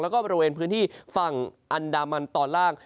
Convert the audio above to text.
แล้วก็บริเวณพื้นที่ฝั่งอันดามันตอนล่าง